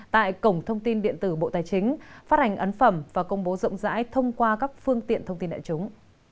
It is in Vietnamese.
tại cổng thông tin điện tử bộ tài chính phát hành ấn phẩm và công bố rộng rãi thông qua các phương tiện thông tin đại chúng